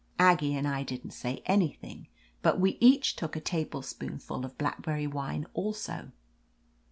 Aggie and I didn't say an3rthing, but we each took a tablespoonful of blackberry wine also.